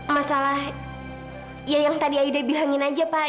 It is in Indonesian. masalah yang tadi aida bilangin aja pak